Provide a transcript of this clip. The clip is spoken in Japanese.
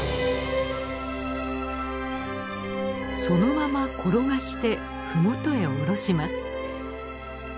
そのまま転がしてふもとへおろします。